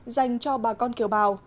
dành cho bà con kiều bào